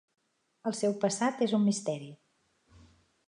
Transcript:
El seu passat és un misteri.